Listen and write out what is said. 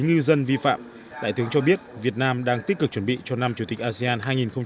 ngư dân vi phạm đại tướng cho biết việt nam đang tích cực chuẩn bị cho năm chủ tịch asean hai nghìn hai mươi